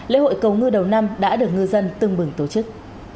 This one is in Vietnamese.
lễ hội cầu ngư đầu năm đã được ngư dân tưng bừng tổ chức